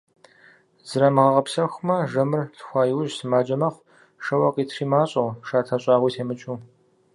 Зрамыгъэгъэпсэхумэ, жэмыр лъхуа иужь сымаджэ мэхъу - шэуэ къитри мащӀэу, шатэ щӀагъуи темыкӀыу.